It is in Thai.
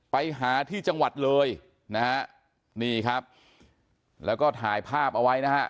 ไปหาที่จังหวัดเลยนะฮะนี่ครับแล้วก็ถ่ายภาพเอาไว้นะฮะ